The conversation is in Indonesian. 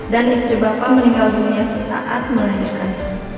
istri bapak meninggal dunia sesaat melahirkan